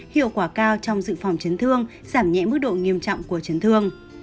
hiệu quả cao trong dự phòng chấn thương giảm nhẹ mức độ nghiêm trọng của chấn thương